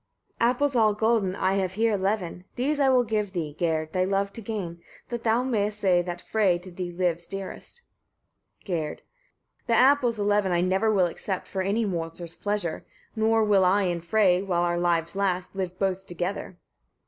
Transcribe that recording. Apples all golden I have here eleven: these I will give thee, Gerd, thy love to gain, that thou mayest say that Frev to thee lives dearest. Gerd. 20. The apples eleven I never will accept for any mortal's pleasure; nor will I and Frey, while our lives last, live both together.